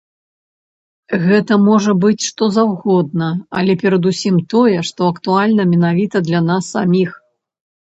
Гэта можа быць што заўгодна, але перадусім, тое, што актуальна менавіта для нас саміх.